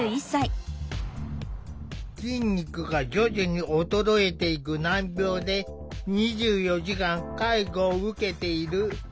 筋肉が徐々に衰えていく難病で２４時間介護を受けている。